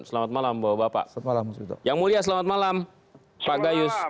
selamat malam bapak bapak yang mulia selamat malam pak gayus